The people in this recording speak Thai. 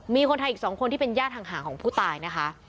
มีคนไทยอีก๒คนที่เป็นญาติห่างของผู้ตายนะคะ